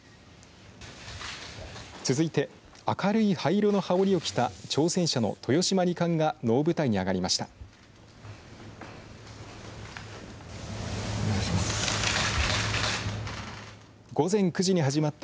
続いて、明るい灰色の羽織を着た挑戦者の豊島二冠が能舞台に上がりました。